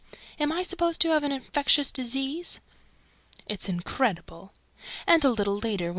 Am I supposed to have an infectious disease?" "It's incredible!" "And, a little later, when M.